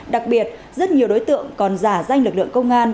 đặc biệt rất nhiều đối tượng còn giả danh lực lượng công an